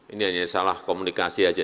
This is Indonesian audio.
ini hanya salah komunikasi aja